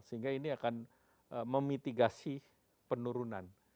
sehingga ini akan memitigasi penurunan